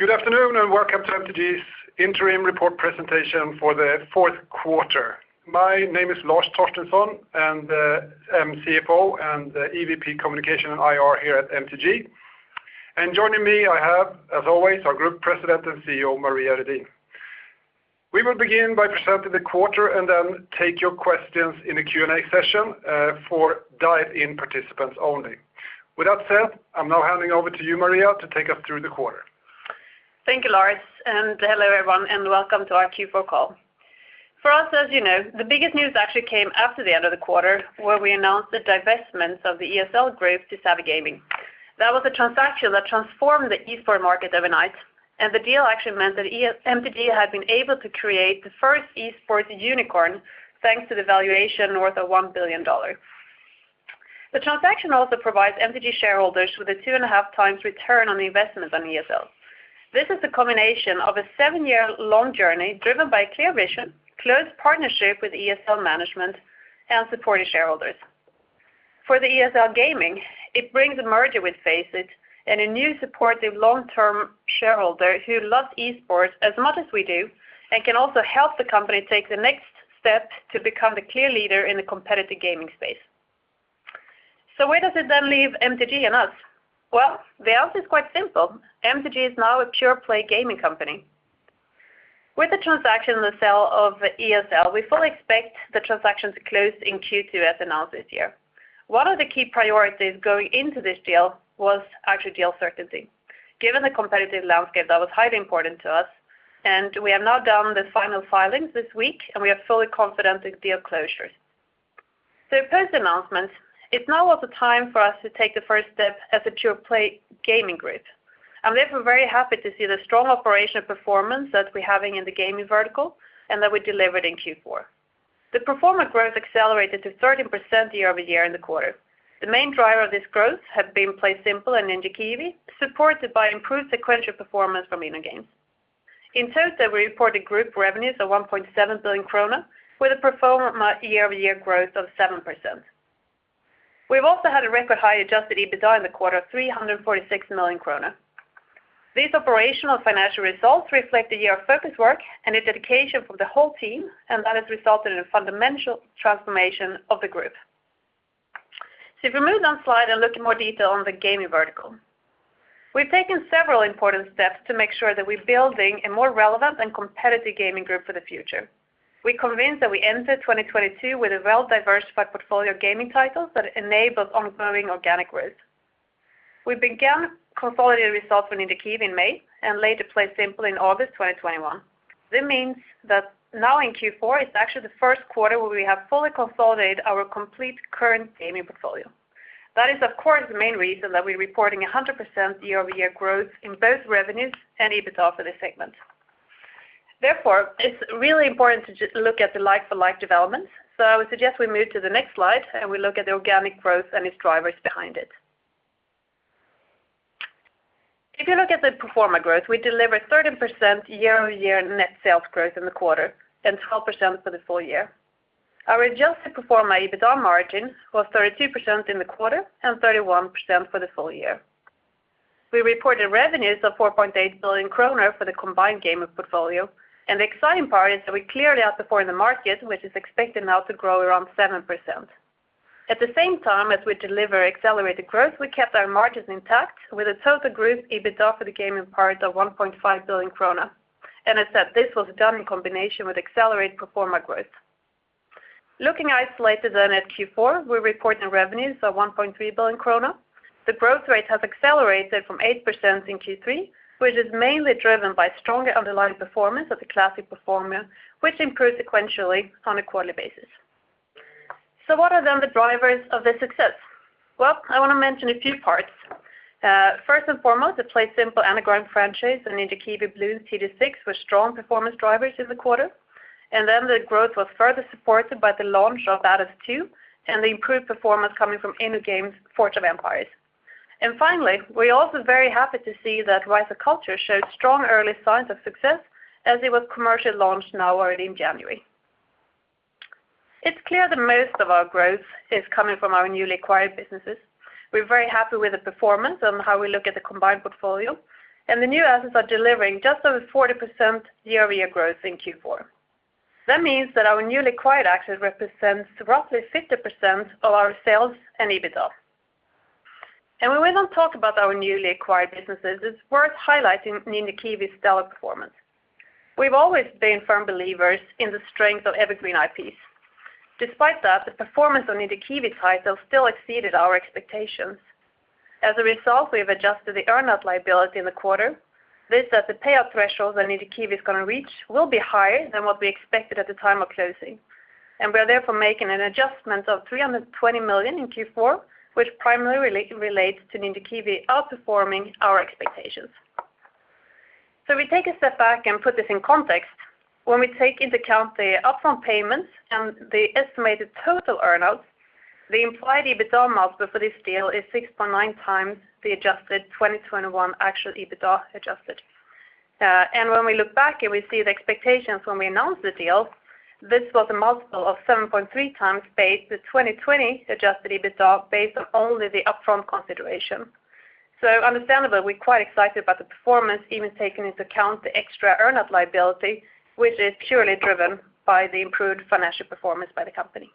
Good afternoon, and welcome to MTG's Interim Report Presentation for the Fourth Quarter. My name is Lars Torstensson, and I'm CFO and EVP Communication and IR here at MTG. Joining me, I have, as always, our Group President and CEO, Maria Redin. We will begin by presenting the quarter and then take your questions in the Q&A session for dialed-in participants only. With that said, I'm now handing over to you, Maria, to take us through the quarter. Thank you, Lars, and hello everyone, and welcome to our Q4 call. For us, as you know, the biggest news actually came after the end of the quarter, where we announced the divestment of the ESL group to Savvy Gaming. That was a transaction that transformed the esports market overnight, and the deal actually meant that ESL, MTG had been able to create the first esports unicorn, thanks to the valuation north of $1 billion. The transaction also provides MTG shareholders with a 2.5x return on the investment on ESL. This is the culmination of a seven-year-long journey driven by clear vision, close partnership with ESL management, and supportive shareholders. For the ESL Gaming, it brings a merger with FACEIT and a new supportive long-term shareholder who loves esports as much as we do and can also help the company take the next step to become the clear leader in the competitive gaming space. Where does it then leave MTG and us? Well, the answer is quite simple. MTG is now a pure play gaming company. With the transaction and the sale of ESL, we fully expect the transaction to close in Q2 as announced this year. One of the key priorities going into this deal was actually deal certainty. Given the competitive landscape, that was highly important to us, and we have now done the final filings this week, and we are fully confident in deal closures. Post-announcement, it's now also time for us to take the first step as a pure play gaming group, and therefore very happy to see the strong operational performance that we're having in the gaming vertical and that we delivered in Q4. The pro forma growth accelerated to 13% year-over-year in the quarter. The main driver of this growth have been PlaySimple and Ninja Kiwi, supported by improved sequential performance from InnoGames. In total, we reported group revenues of 1.7 billion kronor with a pro forma year-over-year growth of 7%. We've also had a record high Adjusted EBITDA in the quarter of 346 million krona. These operational financial results reflect a year of focused work and a dedication from the whole team, and that has resulted in a fundamental transformation of the group. If we move down the slide and look in more detail on the gaming vertical. We've taken several important steps to make sure that we're building a more relevant and competitive gaming group for the future. We're convinced that we enter 2022 with a well-diversified portfolio of gaming titles that enables ongoing organic growth. We began consolidating results from Ninja Kiwi in May and later PlaySimple in August 2021. This means that now in Q4, it's actually the first quarter where we have fully consolidated our complete current gaming portfolio. That is, of course, the main reason that we're reporting 100% year-over-year growth in both revenues and EBITDA for this segment. Therefore, it's really important to look at the like-for-like developments, so I would suggest we move to the next slide, and we look at the organic growth and its drivers behind it. If you look at the pro forma growth, we delivered 13% year-over-year net sales growth in the quarter and 12% for the full year. Our adjusted pro forma EBITDA margin was 32% in the quarter and 31% for the full year. We reported revenues of 4.8 billion kronor for the combined gaming portfolio, and the exciting part is that we clearly outperformed the market, which is expected now to grow around 7%. At the same time as we deliver accelerated growth, we kept our margins intact with a total group EBITDA for the gaming part of 1.5 billion krona, and as said, this was done in combination with accelerated pro forma growth. Looking isolated then at Q4, we're reporting revenues of 1.3 billion krona. The growth rate has accelerated from 8% in Q3, which is mainly driven by stronger underlying performance of the classic pro forma, which improved sequentially on a quarterly basis. What are then the drivers of this success? Well, I want to mention a few parts. First and foremost, the PlaySimple and the growing franchise of Ninja Kiwi Bloons TD 6 were strong performance drivers in the quarter. The growth was further supported by the launch of Bloons TD Battles 2 and the improved performance coming from InnoGames' Forge of Empires. Finally, we're also very happy to see that Rise of Cultures showed strong early signs of success as it was commercially launched now already in January. It's clear that most of our growth is coming from our newly acquired businesses. We're very happy with the performance and how we look at the combined portfolio, and the new assets are delivering just over 40% year-over-year growth in Q4. That means that our newly acquired assets represents roughly 50% of our sales and EBITDA. When we then talk about our newly acquired businesses, it's worth highlighting Ninja Kiwi's stellar performance. We've always been firm believers in the strength of evergreen IPs. Despite that, the performance on Ninja Kiwi titles still exceeded our expectations. As a result, we have adjusted the earn-out liability in the quarter. That the payout thresholds that Ninja Kiwi is gonna reach will be higher than what we expected at the time of closing, and we are therefore making an adjustment of 320 million in Q4, which primarily relates to Ninja Kiwi outperforming our expectations. We take a step back and put this in context. When we take into account the upfront payments and the estimated total earn-out, the implied EBITDA multiple for this deal is 6.9x the adjusted 2021 actual EBITDA adjusted. When we look back and we see the expectations when we announced the deal, this was a multiple of 7.3x based on the 2020 Adjusted EBITDA based on only the upfront consideration. Understandably, we're quite excited about the performance, even taking into account the extra earnout liability, which is purely driven by the improved financial performance by the company.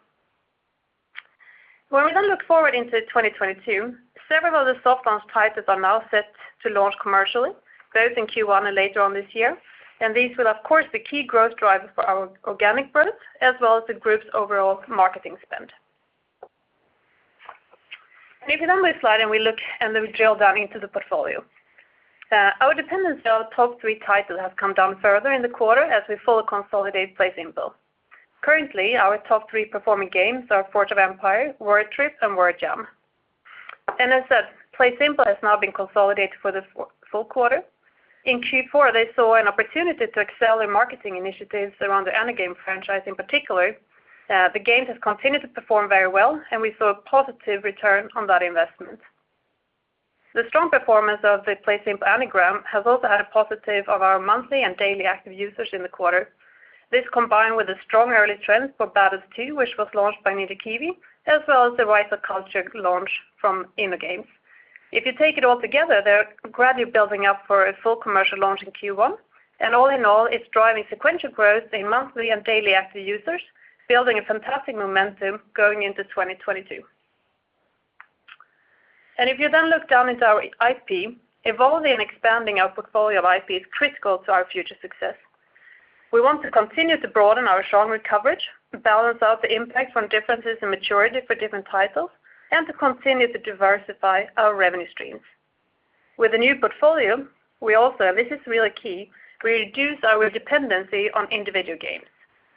When we then look forward into 2022, several of the soft launch titles are now set to launch commercially, both in Q1 and later on this year. These will, of course, the key growth drivers for our organic growth as well as the group's overall marketing spend. If you're on this slide, then we drill down into the portfolio. Our dependency on our top three titles has come down further in the quarter as we fully consolidate PlaySimple. Currently, our top three performing games are Forge of Empires, Word Trip, and Crossword Jam. As said, PlaySimple has now been consolidated for the full quarter. In Q4, they saw an opportunity to excel in marketing initiatives around the Anagram franchise in particular. The games have continued to perform very well, and we saw a positive return on that investment. The strong performance of the PlaySimple Anagram has also had a positive impact on our monthly and daily active users in the quarter. This, combined with the strong early trends for Bloons TD Battles 2, which was launched by Ninja Kiwi, as well as the Rise of Cultures launch from InnoGames. If you take it all together, they're gradually building up for a full commercial launch in Q1, and all in all, it's driving sequential growth in monthly and daily active users, building a fantastic momentum going into 2022. If you then look down into our IP, evolving and expanding our portfolio of IP is critical to our future success. We want to continue to broaden our genre coverage to balance out the impact from differences in maturity for different titles and to continue to diversify our revenue streams. With the new portfolio, we also, this is really key, we reduce our dependency on individual games.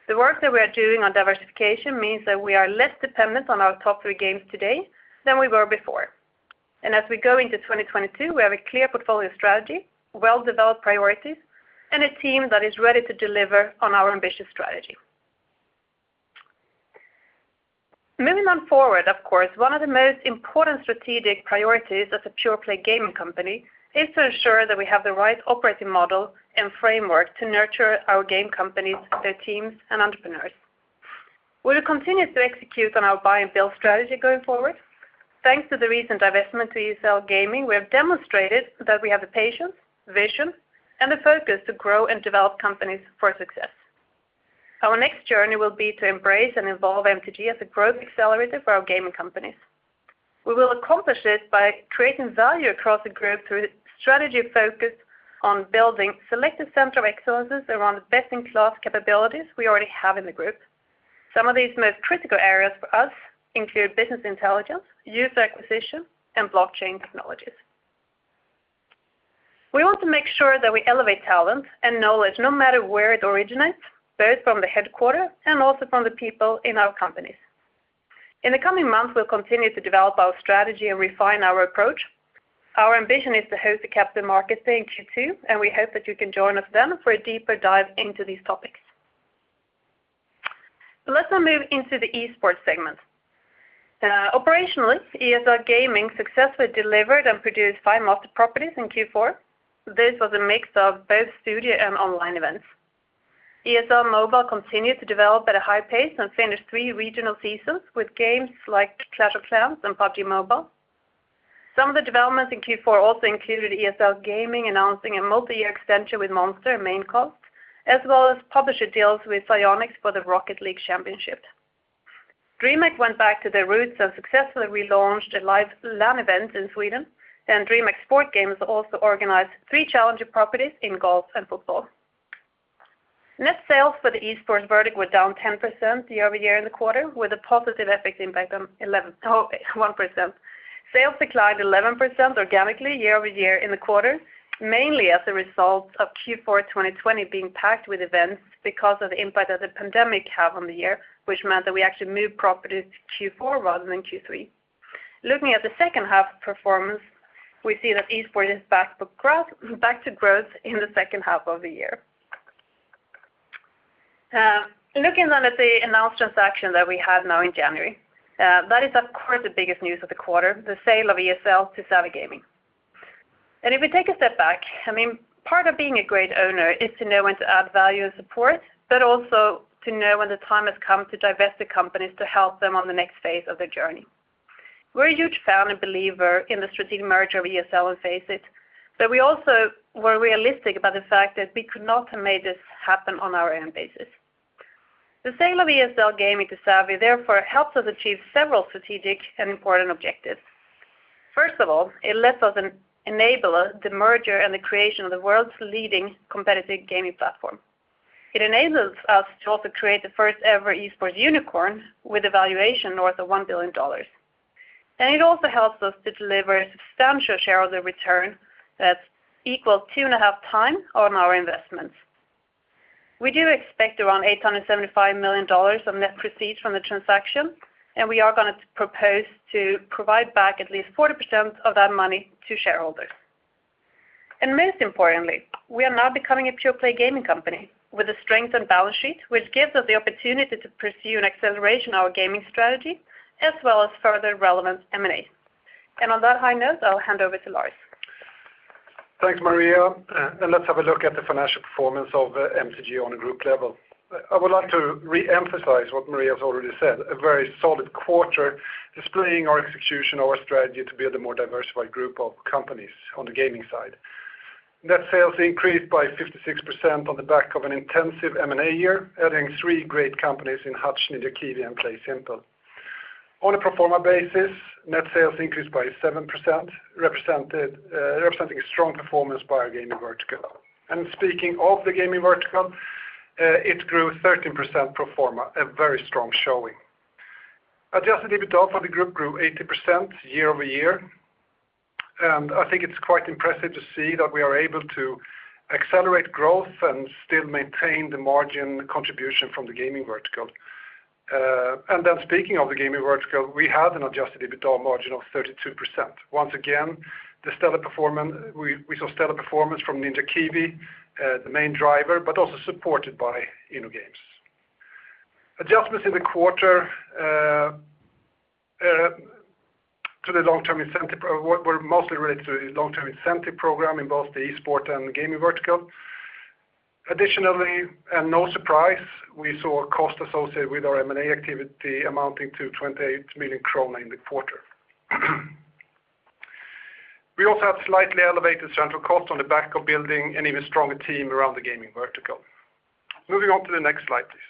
The work that we are doing on diversification means that we are less dependent on our top three games today than we were before. As we go into 2022, we have a clear portfolio strategy, well-developed priorities, and a team that is ready to deliver on our ambitious strategy. Moving on forward, of course, one of the most important strategic priorities as a pure-play gaming company is to ensure that we have the right operating model and framework to nurture our game companies, their teams, and entrepreneurs. We will continue to execute on our buy and build strategy going forward. Thanks to the recent divestment to ESL Gaming, we have demonstrated that we have the patience, vision, and the focus to grow and develop companies for success. Our next journey will be to embrace and evolve MTG as a growth accelerator for our gaming companies. We will accomplish this by creating value across the group through strategy focus on building selective centers of excellence around best-in-class capabilities we already have in the group. Some of these most critical areas for us include business intelligence, user acquisition, and blockchain technologies. We want to make sure that we elevate talent and knowledge no matter where it originates, both from the headquarters and also from the people in our companies. In the coming months, we'll continue to develop our strategy and refine our approach. Our ambition is to host the capital markets day in Q2, and we hope that you can join us then for a deeper dive into these topics. Let us now move into the Esports segment. Operationally, ESL Gaming successfully delivered and produced five master properties in Q4. This was a mix of both studio and online events. ESL Mobile continued to develop at a high pace and finished three regional seasons with games like Clash of Clans and PUBG Mobile. Some of the developments in Q4 also included ESL Gaming announcing a multi-year extension with Monster and Maincast, as well as publisher deals with Psyonix for the Rocket League Championship. DreamHack went back to their roots and successfully relaunched a live LAN event in Sweden, and DreamHack Sports Games also organized three challenger properties in golf and football. Net sales for the Esports vertical were down 10% year-over-year in the quarter, with a positive FX impact on 1%. Sales declined 11% organically year-over-year in the quarter, mainly as a result of Q4 2020 being packed with events because of the impact that the pandemic had on the year, which meant that we actually moved properties to Q4 rather than Q3. Looking at the second half performance, we see that Esports is back to growth in the second half of the year. Looking then at the announced transaction that we have now in January, that is of course the biggest news of the quarter, the sale of ESL to Savvy Gaming. If we take a step back, I mean, part of being a great owner is to know when to add value and support, but also to know when the time has come to divest the companies to help them on the next phase of their journey. We're a huge fan and believer in the strategic merger of ESL and FACEIT, but we also were realistic about the fact that we could not have made this happen on our own basis. The sale of ESL Gaming to Savvy therefore helps us achieve several strategic and important objectives. First of all, it lets us enable the merger and the creation of the world's leading competitive gaming platform. It enables us to also create the first-ever esports unicorn with a valuation north of $1 billion. It also helps us to deliver a substantial shareholder return that equals 2.5x on our investments. We do expect around $875 million of net proceeds from the transaction, and we are gonna propose to provide back at least 40% of that money to shareholders. Most importantly, we are now becoming a pure-play gaming company with a strengthened balance sheet, which gives us the opportunity to pursue an acceleration of our gaming strategy as well as further relevant M&As. On that high note, I'll hand over to Lars. Thanks, Maria. Let's have a look at the financial performance of MTG on a group level. I would like to re-emphasize what Maria has already said, a very solid quarter displaying our execution of our strategy to build a more diversified group of companies on the gaming side. Net sales increased by 56% on the back of an intensive M&A year, adding three great companies in Hutch, Ninja Kiwi, and PlaySimple. On a pro forma basis, net sales increased by 7% representing a strong performance by our gaming vertical. Speaking of the gaming vertical, it grew 13% pro forma, a very strong showing. Adjusted EBITDA for the group grew 80% year-over-year. I think it's quite impressive to see that we are able to accelerate growth and still maintain the margin contribution from the gaming vertical. Speaking of the gaming vertical, we had an Adjusted EBITDA Margin of 32%. Once again, we saw stellar performance from Ninja Kiwi, the main driver, but also supported by InnoGames. Adjustments in the quarter to the long-term incentive program were mostly related to the long-term incentive program in both the esports and the gaming vertical. Additionally, no surprise, we saw a cost associated with our M&A activity amounting to 28 million krona in the quarter. We also have slightly elevated central costs on the back of building an even stronger team around the gaming vertical. Moving on to the next slide, please.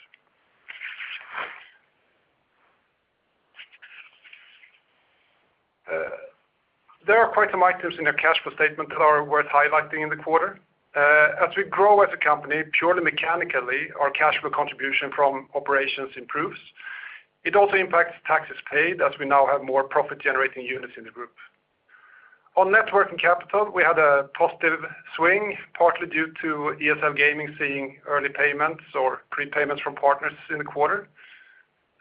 There are quite some items in the cash flow statement that are worth highlighting in the quarter. As we grow as a company, purely mechanically, our cash flow contribution from operations improves. It also impacts taxes paid as we now have more profit-generating units in the group. On net working capital, we had a positive swing, partly due to ESL Gaming seeing early payments or prepayments from partners in the quarter.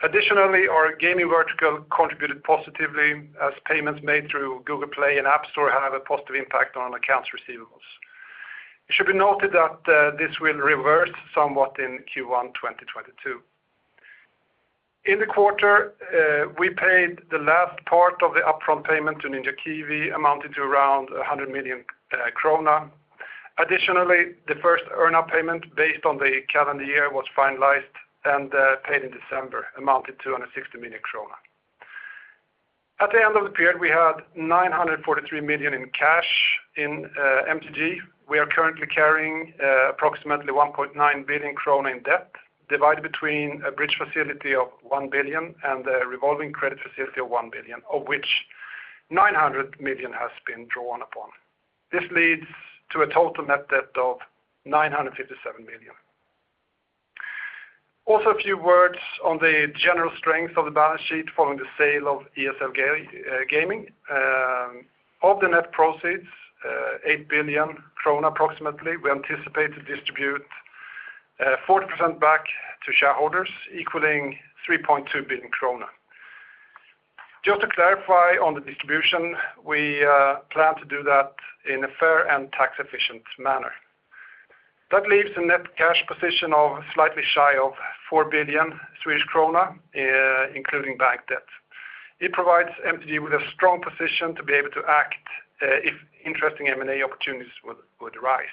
Additionally, our gaming vertical contributed positively as payments made through Google Play and App Store have a positive impact on accounts receivables. It should be noted that this will reverse somewhat in Q1 2022. In the quarter, we paid the last part of the upfront payment to Ninja Kiwi, amounting to around 100 million krona. Additionally, the first earnout payment based on the calendar year was finalized and paid in December, amounting to 160 million krona. At the end of the period, we had 943 million in cash in MTG. We are currently carrying approximately 1.9 billion krona in debt, divided between a bridge facility of 1 billion and a revolving credit facility of 1 billion, of which 900 million has been drawn upon. This leads to a total net debt of 957 million. Also, a few words on the general strength of the balance sheet following the sale of ESL Gaming. Of the net proceeds, approximately 8 billion krona, we anticipate to distribute 40% back to shareholders, equaling 3.2 billion krona. Just to clarify on the distribution, we plan to do that in a fair and tax-efficient manner. That leaves a net cash position of slightly shy of 4 billion Swedish krona, including bank debt. It provides MTG with a strong position to be able to act if interesting M&A opportunities would arise.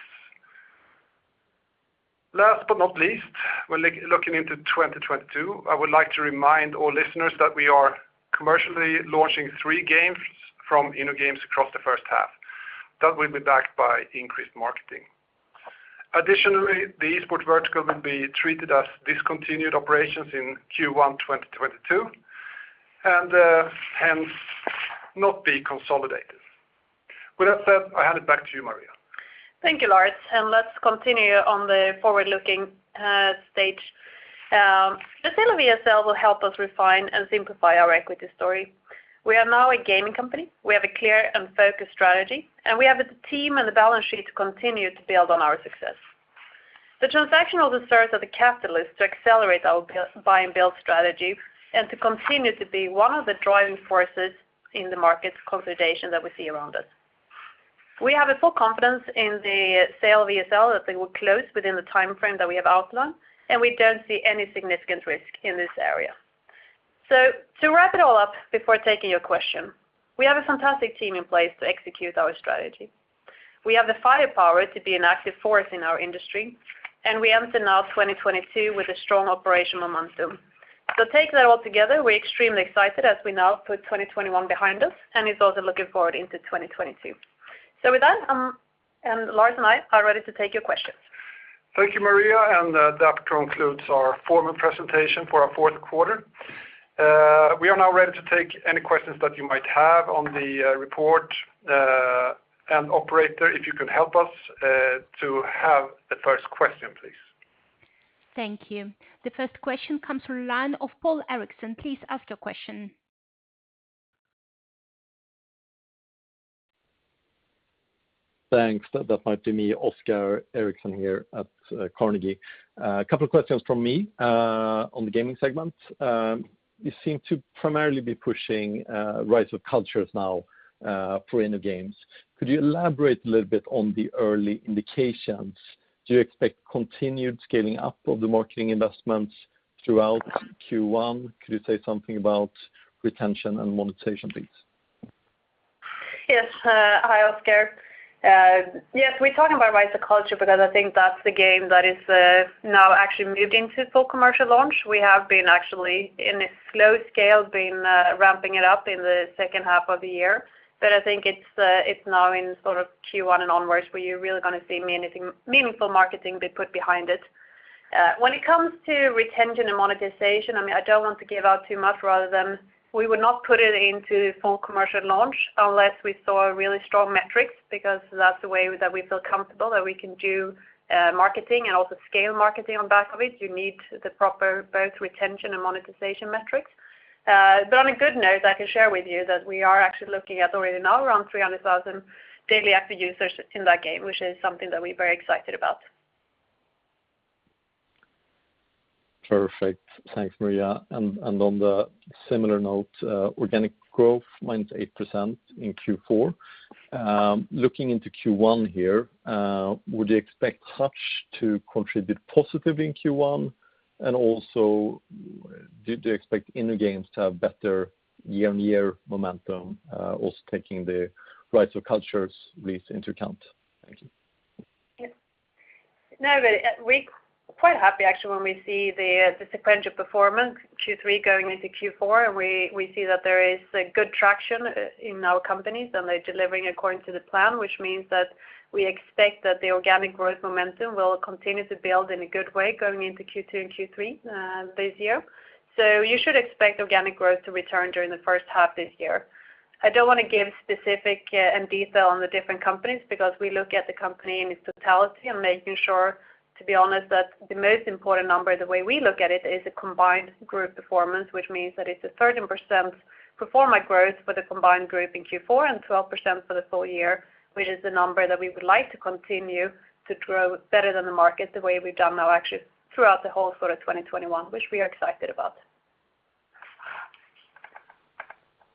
Last but not least, when looking into 2022, I would like to remind all listeners that we are commercially launching three games from InnoGames across the first half. That will be backed by increased marketing. Additionally, the Esports vertical will be treated as discontinued operations in Q1 2022 and hence not be consolidated. With that said, I hand it back to you, Maria. Thank you, Lars, and let's continue on the forward-looking stage. The sale of ESL will help us refine and simplify our equity story. We are now a gaming company. We have a clear and focused strategy, and we have the team and the balance sheet to continue to build on our success. The transaction will serve as a catalyst to accelerate our buy-and-build strategy and to continue to be one of the driving forces in the market consolidation that we see around us. We have full confidence in the sale of ESL that they will close within the timeframe that we have outlined, and we don't see any significant risk in this area. To wrap it all up before taking your question, we have a fantastic team in place to execute our strategy. We have the firepower to be an active force in our industry, and we enter now 2022 with a strong operational momentum. Take that all together, we're extremely excited as we now put 2021 behind us, and it's also looking forward into 2022. With that, and Lars and I are ready to take your questions. Thank you, Maria, and that concludes our formal presentation for our fourth quarter. We are now ready to take any questions that you might have on the report. Operator, if you could help us to have the first question, please. Thank you. The first question comes from the line of Oskar Eriksson. Please ask your question. Thanks. That might be me, Oskar Eriksson here at Carnegie. A couple of questions from me on the gaming segment. You seem to primarily be pushing Rise of Cultures now for InnoGames. Could you elaborate a little bit on the early indications? Do you expect continued scaling up of the marketing investments? Throughout Q1, could you say something about retention and monetization, please? Yes. Hi, Oskar. Yes, we're talking about Rise of Cultures because I think that's the game that is now actually moved into full commercial launch. We have actually, on a small scale, been ramping it up in the second half of the year. I think it's now in sort of Q1 and onwards where you're really gonna see meaningful marketing be put behind it. When it comes to retention and monetization, I mean, I don't want to give out too much rather than we would not put it into full commercial launch unless we saw really strong metrics, because that's the way that we feel comfortable that we can do marketing and also scale marketing on the back of it. You need both the proper retention and monetization metrics. On a good note, I can share with you that we are actually looking at already now around 300,000 daily active users in that game, which is something that we're very excited about. Perfect. Thanks, Maria. On a similar note, organic growth -8% in Q4. Looking into Q1 here, would you expect Hutch to contribute positive in Q1? Also, do you expect InnoGames to have better year-on-year momentum, also taking the Rise of Cultures release into account? Thank you. Yes. No, but we're quite happy actually when we see the sequential performance, Q3 going into Q4, and we see that there is a good traction in our companies, and they're delivering according to the plan, which means that we expect that the organic growth momentum will continue to build in a good way going into Q2 and Q3 this year. You should expect organic growth to return during the first half this year. I don't wanna give specific and detail on the different companies because we look at the company in its totality and making sure, to be honest, that the most important number, the way we look at it, is a combined group performance, which means that it's a 13% pro forma growth for the combined group in Q4 and 12% for the full year, which is the number that we would like to continue to grow better than the market, the way we've done now actually throughout the whole sort of 2021, which we are excited about.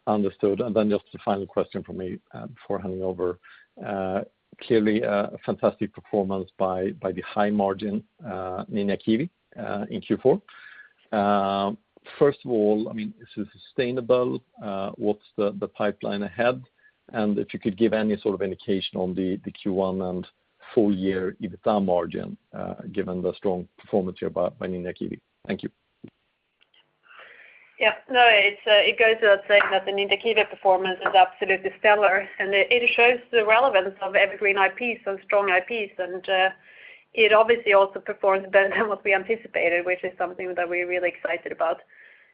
Understood. Just a final question from me before handing over. Clearly a fantastic performance by the high margin Ninja Kiwi in Q4. First of all, I mean, is it sustainable? What's the pipeline ahead? If you could give any sort of indication on the Q1 and full year EBITDA margin, given the strong performance here by Ninja Kiwi. Thank you. Yeah. No, it goes without saying that the Ninja Kiwi performance is absolutely stellar, and it shows the relevance of evergreen IPs and strong IPs. It obviously also performs better than what we anticipated, which is something that we're really excited about.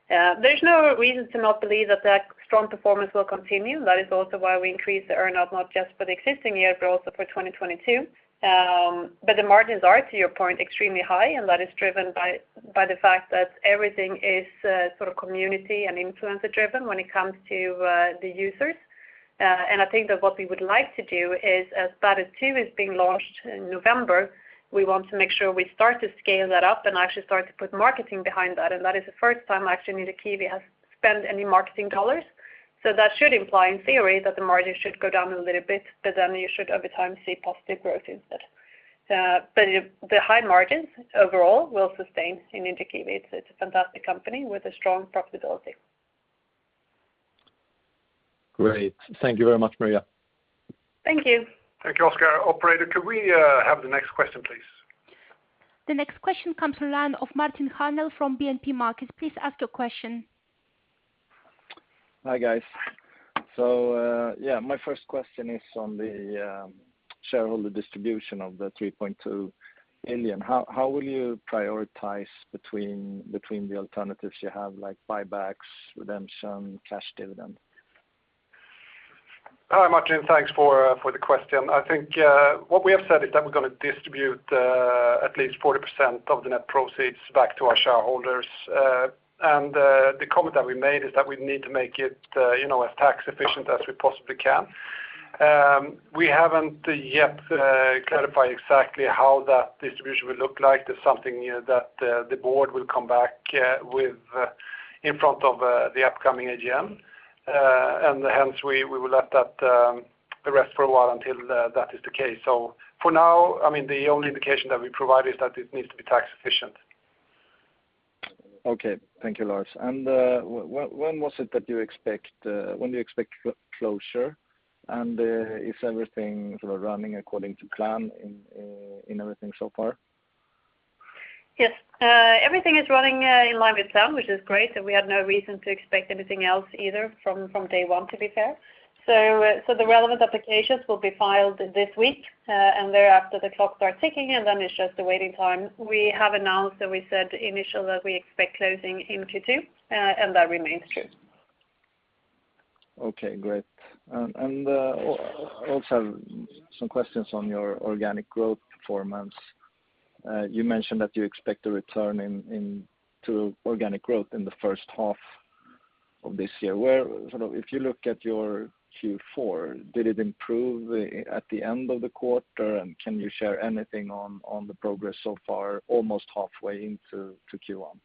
There's no reason to not believe that strong performance will continue. That is also why we increased the earn-out, not just for the existing year, but also for 2022. The margins are, to your point, extremely high, and that is driven by the fact that everything is sort of community and influencer driven when it comes to the users. I think that what we would like to do is, as Bloons TD Battles 2 is being launched in November, we want to make sure we start to scale that up and actually start to put marketing behind that. That is the first time actually Ninja Kiwi has spent any marketing dollars. That should imply, in theory, that the margin should go down a little bit, but then you should over time see positive growth instead. The high margins overall will sustain in Ninja Kiwi. It's a fantastic company with a strong profitability. Great. Thank you very much, Maria. Thank you. Thank you, Oskar. Operator, could we have the next question, please? The next question comes from the line of Martin Arnaud from BNP Paribas. Please ask your question. Hi, guys. Yeah, my first question is on the shareholder distribution of 3.2 billion. How will you prioritize between the alternatives you have, like buybacks, redemption, cash dividend? Hi, Martin. Thanks for the question. I think what we have said is that we're gonna distribute at least 40% of the net proceeds back to our shareholders. The comment that we made is that we need to make it, you know, as tax efficient as we possibly can. We haven't yet clarified exactly how that distribution will look like. That's something that the board will come back with in front of the upcoming AGM. Hence, we will let that the rest for a while until that is the case. For now, I mean, the only indication that we provide is that it needs to be tax efficient. Okay. Thank you, Lars. When do you expect closure? Is everything sort of running according to plan in everything so far? Yes. Everything is running in line with plan, which is great, and we have no reason to expect anything else either from day one, to be fair. The relevant applications will be filed this week, and thereafter the clock start ticking, and then it's just the waiting time. We have announced that we said initially that we expect closing in Q2, and that remains true. Okay, great. Also some questions on your organic growth performance. You mentioned that you expect a return to organic growth in the first half of this year. Sort of if you look at your Q4, did it improve at the end of the quarter? Can you share anything on the progress so far, almost halfway into Q1?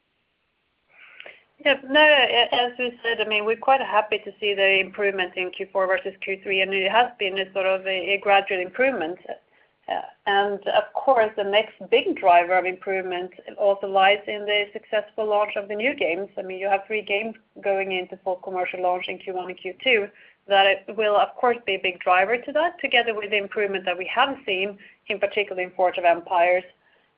Yeah, no, as we said, I mean, we're quite happy to see the improvement in Q4 versus Q3, and it has been a sort of gradual improvement. And of course, the next big driver of improvement also lies in the successful launch of the new games. I mean, you have three games going into full commercial launch in Q1 and Q2 that it will of course be a big driver to that, together with the improvement that we have seen, in particular in Forge of Empires,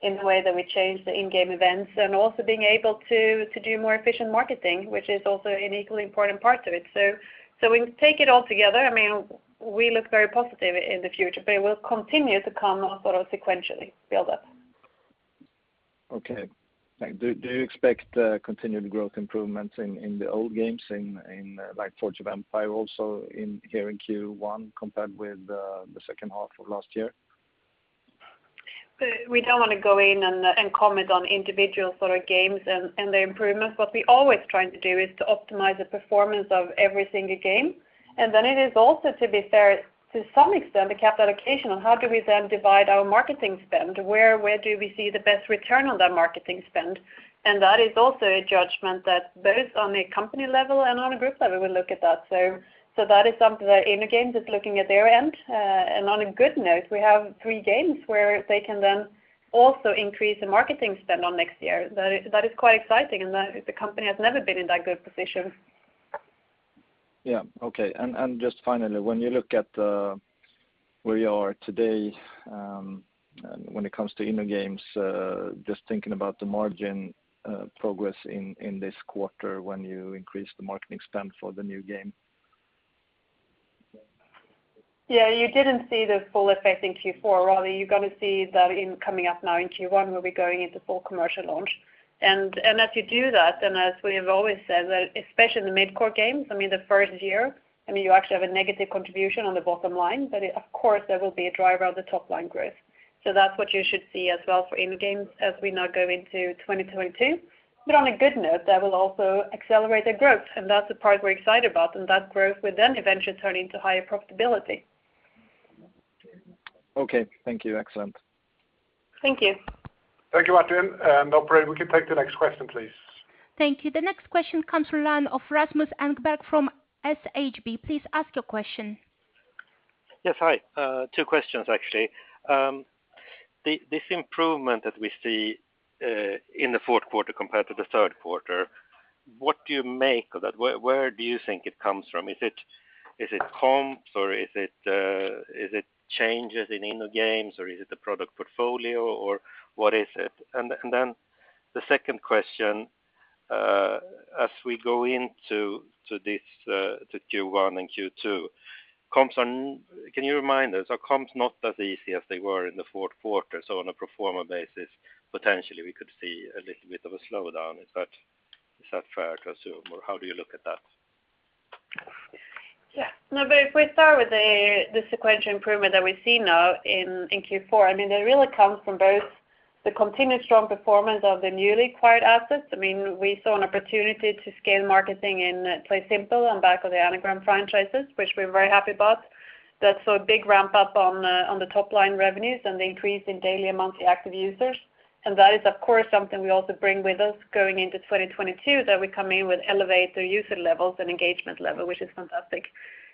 in the way that we changed the in-game events and also being able to do more efficient marketing, which is also an equally important part of it. So when we take it all together, I mean, we look very positive in the future, but it will continue to come sort of sequentially build up. Okay. Thank you. Do you expect continued growth improvement in the old games in like Forge of Empires also here in Q1 compared with the second half of last year? We don't want to go in and comment on individual sort of games and their improvements. What we always trying to do is to optimize the performance of every single game. Then it is also, to be fair, to some extent, the capital allocation on how do we then divide our marketing spend, where do we see the best return on that marketing spend? That is also a judgment that both on a company level and on a group level, we look at that. That is something that InnoGames is looking at their end. On a good note, we have three games where they can then also increase the marketing spend on next year. That is quite exciting, and the company has never been in that good position. Yeah. Okay. Just finally, when you look at where you are today, and when it comes to InnoGames, just thinking about the margin progress in this quarter when you increase the marketing spend for the new game. Yeah, you didn't see the full effect in Q4. Rather, you're gonna see that coming up now in Q1, where we're going into full commercial launch. As you do that, and as we have always said that, especially in the mid-core games, I mean, the first year, I mean, you actually have a negative contribution on the bottom line. Of course, there will be a driver on the top line growth. That's what you should see as well for InnoGames as we now go into 2022. On a good note, that will also accelerate their growth, and that's the part we're excited about, and that growth will then eventually turn into higher profitability. Okay. Thank you. Excellent. Thank you. Thank you, Martin. Operator, we can take the next question, please. Thank you. The next question comes from the line of Rasmus Engberg from Handelsbanken. Please ask your question. Yes. Hi. Two questions, actually. This improvement that we see in the fourth quarter compared to the third quarter, what do you make of that? Where do you think it comes from? Is it comps, or is it changes in InnoGames, or is it the product portfolio, or what is it? And then the second question, as we go into Q1 and Q2, comps. Can you remind us, are comps not as easy as they were in the fourth quarter? So on a pro forma basis, potentially we could see a little bit of a slowdown. Is that fair to assume, or how do you look at that? Yeah. No, but if we start with the sequential improvement that we see now in Q4, I mean, that really comes from both the continued strong performance of the newly acquired assets. I mean, we saw an opportunity to scale marketing in PlaySimple and the Anagram franchises, which we're very happy about. That saw a big ramp up on the top-line revenues and the increase in daily and monthly active users. That is, of course, something we also bring with us going into 2022, that we come in with elevated user levels and engagement level, which is fantastic.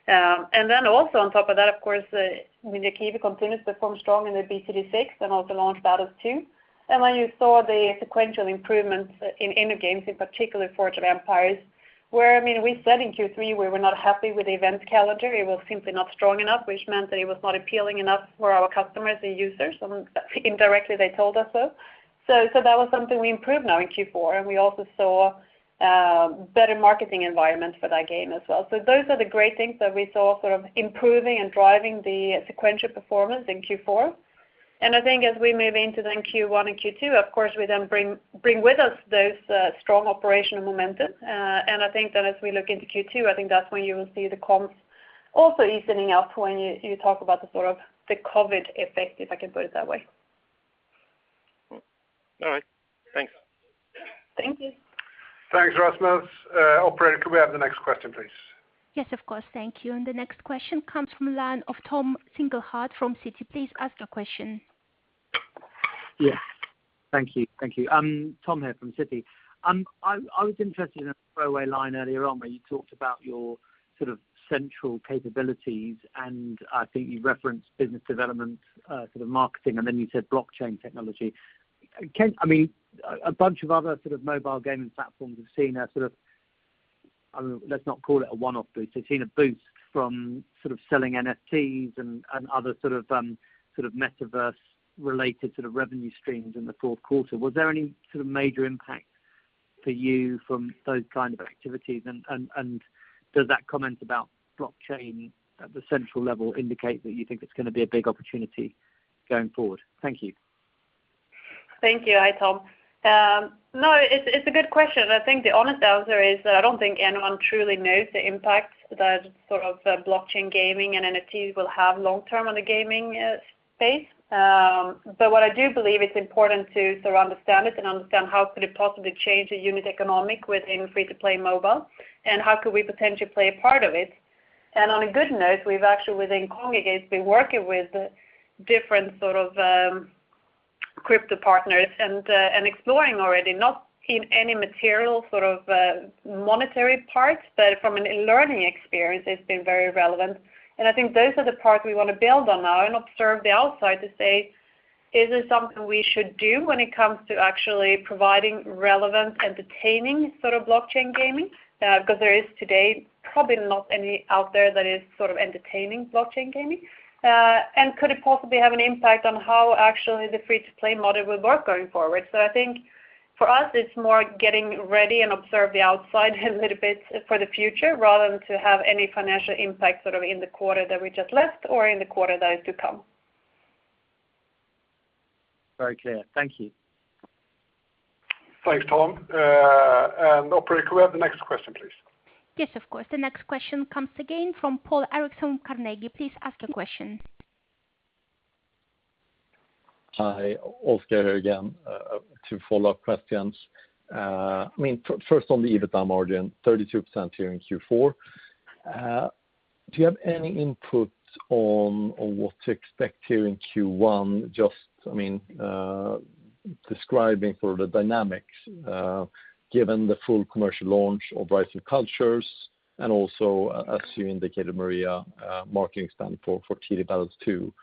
Then also on top of that, of course, when Ninja Kiwi continues to perform strong in the Bloons TD 6 and also launch Bloons TD Battles 2. When you saw the sequential improvements in InnoGames, in particular Forge of Empires, where, I mean, we said in Q3, we were not happy with the event calendar. It was simply not strong enough, which meant that it was not appealing enough for our customers and users, and indirectly they told us so. So that was something we improved now in Q4, and we also saw better marketing environment for that game as well. Those are the great things that we saw sort of improving and driving the sequential performance in Q4. I think as we move into then Q1 and Q2, of course, we then bring with us those strong operational momentum. I think that as we look into Q2, I think that's when you will see the comps also evening out when you talk about the sort of COVID effect, if I can put it that way. All right. Thanks. Thank you. Thanks, Rasmus. Operator, could we have the next question, please? Yes, of course. Thank you. The next question comes from the line of Tom Singlehurst from Citi. Please ask your question. Yes. Thank you. Tom Singlehurst here from Citi. I was interested in a throwaway line earlier on where you talked about your sort of central capabilities, and I think you referenced business development, sort of marketing, and then you said blockchain technology. I mean, a bunch of other sort of mobile gaming platforms have seen a sort of, let's not call it a one-off boost. They've seen a boost from sort of selling NFTs and other sort of metaverse-related sort of revenue streams in the fourth quarter. Was there any sort of major impact for you from those kind of activities? And does that comment about blockchain at the central level indicate that you think it's gonna be a big opportunity going forward? Thank you. Thank you. Hi, Tom. No, it's a good question. I think the honest answer is that I don't think anyone truly knows the impact that sort of blockchain gaming and NFTs will have long term on the gaming space. But what I do believe is important to sort of understand it and understand how could it possibly change the unit economics within free-to-play mobile, and how could we potentially play a part of it. On a good note, we've actually within Kongregate been working with different sort of crypto partners and exploring already, not seen any material sort of monetary parts, but from a learning experience, it's been very relevant. I think those are the parts we wanna build on now and observe the outside to say, is this something we should do when it comes to actually providing relevant, entertaining sort of blockchain gaming? 'Cause there is today probably not any out there that is sort of entertaining blockchain gaming. Could it possibly have an impact on how actually the free-to-play model will work going forward? I think for us, it's more getting ready and observe the outside a little bit for the future rather than to have any financial impact sort of in the quarter that we just left or in the quarter that is to come. Very clear. Thank you. Thanks, Tom. Operator, could we have the next question, please? Yes, of course. The next question comes again from Oskar Eriksson, Carnegie. Please ask your question. Hi. Oskar here again. Two follow-up questions. I mean, first on the EBITDA margin, 32% here in Q4. Do you have any input on what to expect here in Q1? Just, I mean, describing the dynamics, given the full commercial launch of Rise of Cultures and also as you indicated, Maria, marketing spend for Bloons TD Battles 2.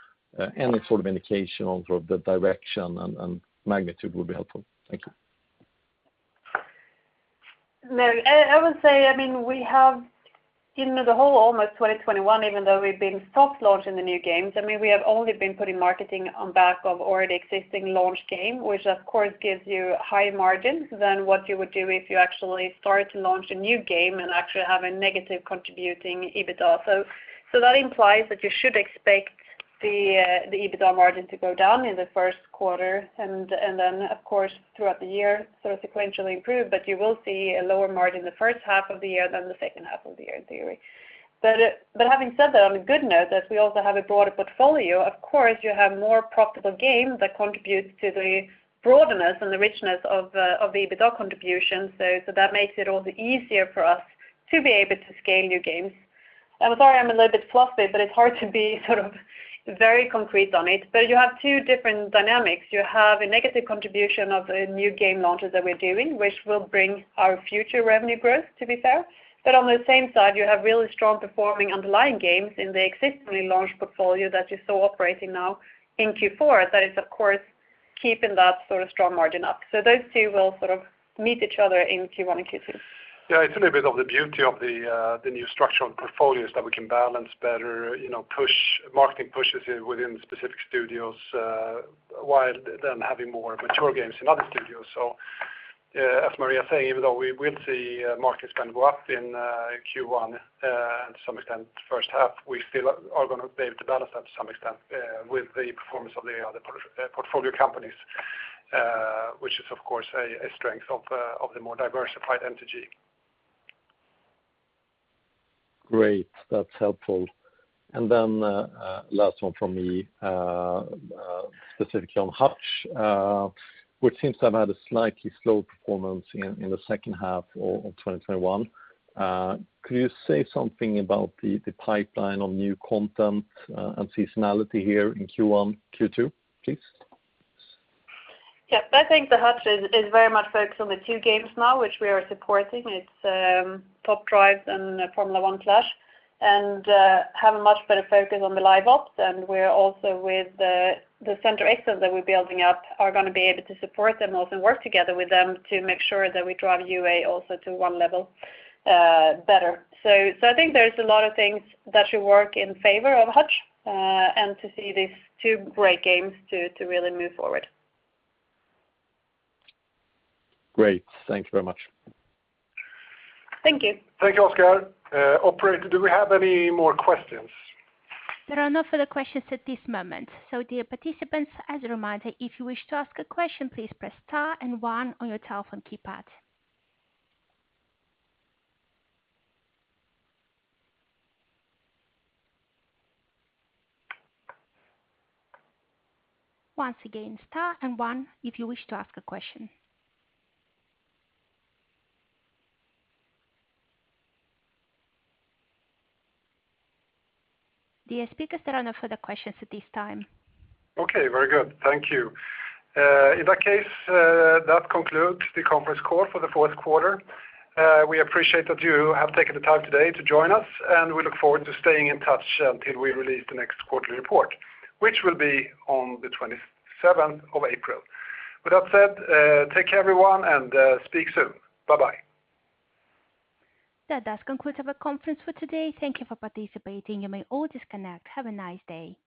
Any sort of indication on sort of the direction and magnitude would be helpful. Thank you. No, I would say, I mean, we have in the whole almost 2021, even though we've been soft launch in the new games, I mean, we have only been putting marketing on back of already existing launch game, which of course gives you higher margins than what you would do if you actually start to launch a new game and actually have a negative contributing EBITDA. That implies that you should expect the EBITDA margin to go down in the first quarter, and then of course, throughout the year, sort of sequentially improve, but you will see a lower margin the first half of the year than the second half of the year in theory. Having said that, on a good note, as we also have a broader portfolio, of course you have more profitable games that contribute to the broadness and the richness of of the EBITDA contribution. That makes it all the easier for us to be able to scale new games. I'm sorry I'm a little bit fluffy, but it's hard to be sort of very concrete on it. You have two different dynamics. You have a negative contribution of the new game launches that we're doing, which will bring our future revenue growth, to be fair. On the same side, you have really strong performing underlying games in the existing launch portfolio that you saw operating now in Q4. That is of course keeping that sort of strong margin up. Those two will sort of meet each other in Q1 and Q2. Yeah. It's a little bit of the beauty of the new structural portfolios that we can balance better, you know, push marketing pushes within specific studios, while then having more mature games in other studios. As Maria say, even though we will see marketing spend go up in Q1, and to some extent first half, we still are gonna be able to balance that to some extent, with the performance of the other portfolio companies, which is of course a strength of the more diversified MTG. Great. That's helpful. Last one from me, specifically on Hutch, which seems to have had a slightly slow performance in the second half of 2021. Could you say something about the pipeline of new content, and seasonality here in Q1, Q2, please? Yeah. I think the Hutch is very much focused on the two games now, which we are supporting. It's Top Drives and F1 Clash, and have a much better focus on the live ops, and we're also with the centers of excellence that we're building up are gonna be able to support them also and work together with them to make sure that we drive UA also to one level better. I think there's a lot of things that should work in favor of Hutch, and to see these two great games to really move forward. Great. Thank you very much. Thank you. Thank you, Oskar. Operator, do we have any more questions? There are no further questions at this moment. So dear participants, as a reminder, if you wish to ask a question, please press star and one on your telephone keypad. Once again, star and one if you wish to ask a question. Dear speakers, there are no further questions at this time. Okay. Very good. Thank you. In that case, that concludes the conference call for the fourth quarter. We appreciate that you have taken the time today to join us, and we look forward to staying in touch until we release the next quarterly report, which will be on the 27 of April. With that said, take care, everyone, and, speak soon. Bye-bye. That does conclude our conference for today. Thank you for participating. You may all disconnect. Have a nice day.